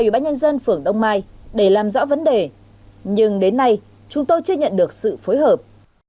ủy ban nhân dân phường đông mai để làm rõ vấn đề nhưng đến nay chúng tôi chưa nhận được sự phối hợp